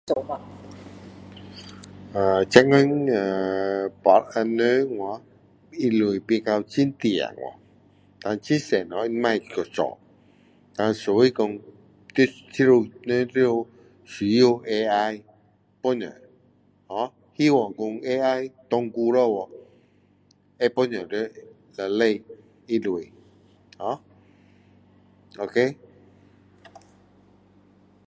啊现今呀人有吗类变成很懒掉胆很多东西他不要去做胆所以说人需要要需要 AI 来帮助 ho 希望说 AI 长久下去会帮助到人类人类 ho ok